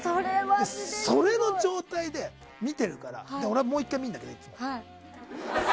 その状態で見ているから俺はもう１回見るんだけど。